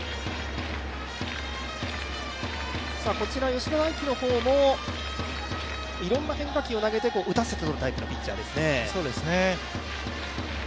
吉田大喜もいろいろな変化球を投げて打たせて取るタイプのピッチャーですね。